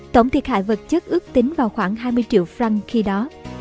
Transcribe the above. tổng thiệt hại vật chất ước tính vào khoảng hai mươi triệu franc khi đó